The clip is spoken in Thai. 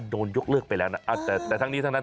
โดนยกเลิกไปแล้วนะแต่ทั้งนี้ทั้งนั้น